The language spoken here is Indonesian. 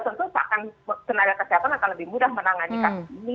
tentu senaga kesehatan akan lebih mudah menangani